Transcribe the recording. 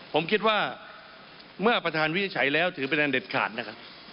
ผมคิดว่าเมื่อประธานวินิจฉัยแล้วถือเป็นอันเด็ดขาดนะครับ